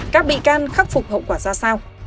các bị can khắc phục hậu quả ra sao